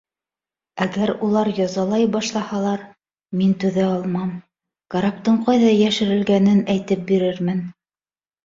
Әгәр улар язалай башлаһалар, мин түҙә алмам, караптың ҡайҙа йәшерелгәнен әйтеп бирермен.